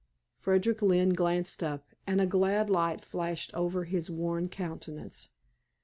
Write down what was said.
Frederick Lynne glanced up, and a glad light flashed over his worn countenance.